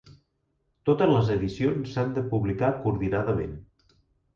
Totes les edicions s'han de publicar coordinadament.